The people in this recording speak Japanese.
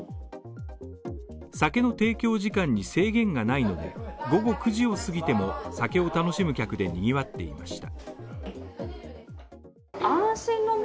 酒の提供時間に制限がないので、午後９時を過ぎてもお酒を楽しむ客で賑わっていました。